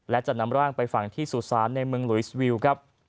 และจะนำร่างไปฝังที่สุสานในเมืองลุยสวิวครับ